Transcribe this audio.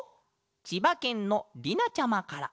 ちばけんの「りな」ちゃまから。